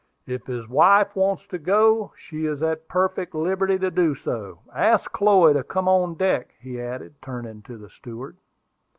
"If his wife wants to go, she is at perfect liberty to do so. Ask Chloe to come on deck," he added, turning to the steward.